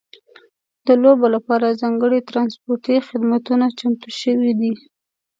د لوبو لپاره ځانګړي ترانسپورتي خدمتونه چمتو شوي دي.